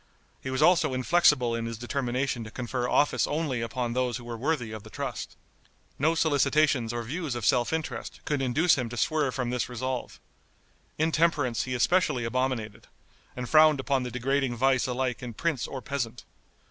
He was also inflexible in his determination to confer office only upon those who were worthy of the trust. No solicitations or views of self interest could induce him to swerve from this resolve. Intemperance he especially abominated, and frowned upon the degrading vice alike in prince or peasant.